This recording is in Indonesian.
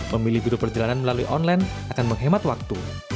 pemilih biro perjalanan melalui online akan menghemat waktu